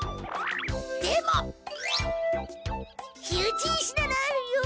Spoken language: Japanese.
でも火打ち石ならあるよ！